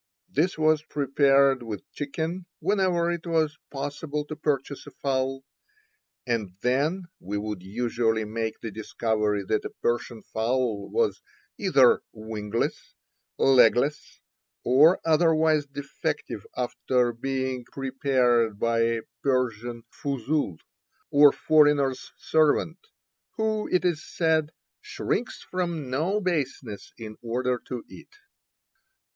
This was prepared with chicken whenever it was possible to purchase a fowl, and then we would usually make the discovery that a Persian fowl was either wingless, legless, or otherwise defective after being prepared by a Persian fuzul, or foreigner's servant, who, it is said, "shrinks from no baseness in order to eat."